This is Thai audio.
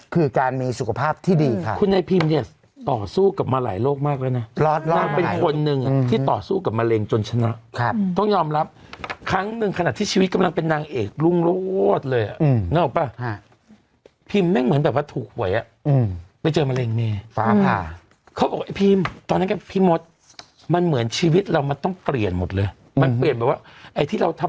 คือการมีสุขภาพที่ดีค่ะ